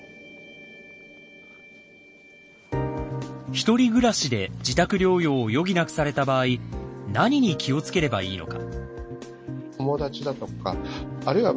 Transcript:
一人暮らしで自宅療養を余儀なくされた場合何に気をつければいいのか。